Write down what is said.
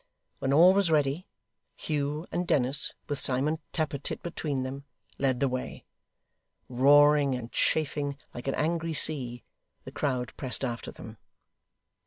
When all was ready, Hugh and Dennis, with Simon Tappertit between them, led the way. Roaring and chafing like an angry sea, the crowd pressed after them.